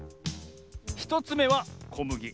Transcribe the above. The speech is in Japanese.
１つめはこむぎ。